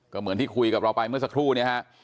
ก็เหมือนที่คุยกับเราไปเมื่อสักครู่เนี่ยฮะ